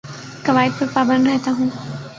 قوائد پر پابند رہتا ہوں